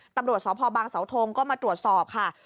ตำรวจสพบางสาวทงก็มาตรวจสอบค่ะ